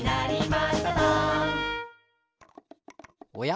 おや？